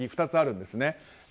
２つあるんですね。